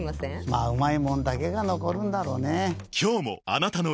まぁうまいもんだけが残るんだろうねぇ。